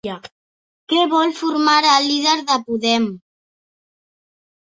Què vol formar el líder de Podem?